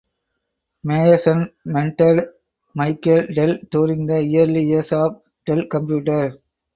Meyerson mentored Michael Dell during the early years of Dell Computer.